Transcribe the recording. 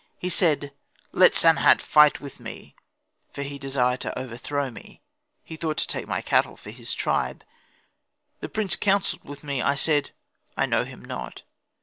He said, "Let Sanehat fight with me;" for he desired to overthrow me, he thought to take my cattle for his tribe. The prince counselled with me. I said, "I know him not.